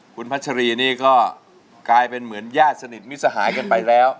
คุณพัชรีนี่ก็กลายเป็นเหมือนญาติสนิทมิสหายกันไปแล้ว